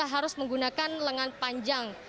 harus menggunakan lengan panjang